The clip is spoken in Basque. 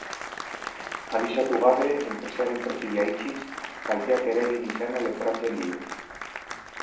Abisatu gabe enpresaren profila itxiz, kalteak eragin izana leporatzen die.